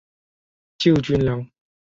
救军粮